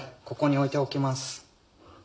ここに置いておきます。